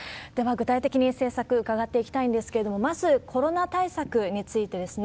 具体的に政策、伺っていきたいんですけれども、まずコロナ対策についてですね。